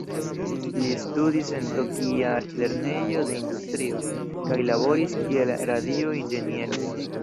Li studis en Tokia altlernejo de industrio, kaj laboris kiel radio-inĝeniero.